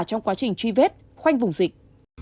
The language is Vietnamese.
trong quá trình truy vết khoanh vùng dịch